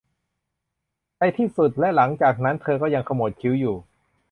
ในที่สุดและหลังจากนั้นเธอก็ยังขมวดคิ้วอยู่